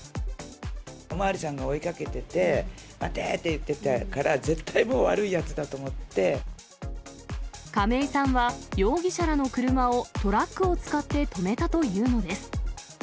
お巡りさんが追いかけてて、待てーって言ってたから、絶対もう、亀井さんは、容疑者らの車をトラックを使って止めたというのです。